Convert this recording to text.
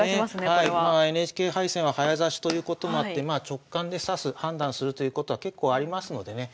ＮＨＫ杯戦は早指しということもあって直感で指す判断するということは結構ありますのでね